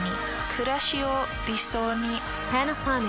くらしを理想に。